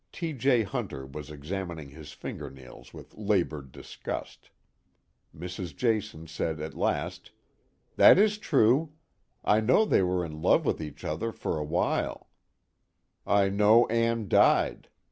T. J. Hunter was examining his fingernails with labored disgust. Mrs. Jason said at last: "That is true. I know they were in love with each other for a while; I know Ann died.